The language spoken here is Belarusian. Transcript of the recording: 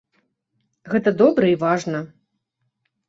Гэта добра і важна.